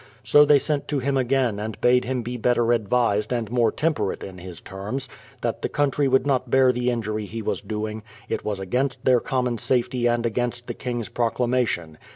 So they sent to him again and bade him be better advised and more temper ate in his terms; that the country would not bear the injury he was doing; it was against their common safety and against the king's proclamation.